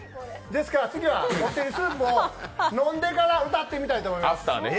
ですから次はこってりスープを飲んでから歌ってみたいと思います。